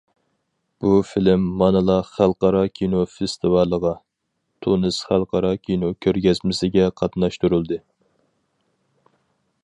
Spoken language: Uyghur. بۇ فىلىم مانىلا خەلقئارا كىنو فېستىۋالىغا، تۇنىس خەلقئارا كىنو كۆرگەزمىسىگە قاتناشتۇرۇلدى.